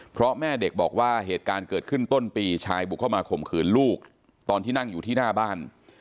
เพราะแม่เด็กบอกว่าเหตุการณ์เกิดขึ้นต้นปีชายบุกเข้ามาข่มขืนลูกตอนที่นั่งอยู่ที่หน้าบ้าน